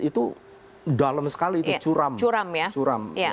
itu dalam sekali itu curam